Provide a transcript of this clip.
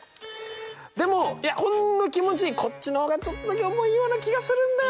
でもいやほんの気持ちこっちの方がちょっとだけ重いような気がするんだよね。